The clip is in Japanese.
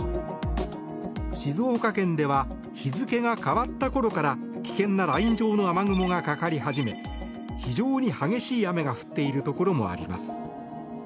静岡県では日付が変わったころから危険なライン状の雨雲がかかり始め非常に激しい雨が降っているところもあります。